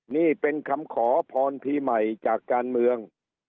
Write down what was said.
นี่เป็นคำขอพรพีใหม่จากการเมือง